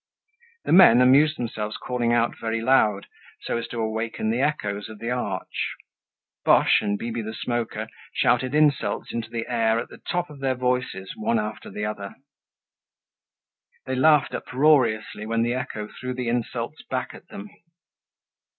The men amused themselves with calling out very loud, so as to awaken the echoes of the arch. Boche and Bibi the Smoker shouted insults into the air at the top of their voices, one after the other. They laughed uproariously when the echo threw the insults back at them.